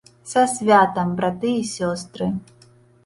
Са святам, браты і сёстры!